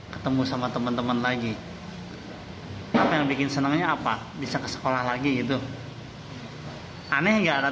belasan orang tua siswa mengaku senang kembali masuk sekolah pasca belajar daring lebih dari satu tahun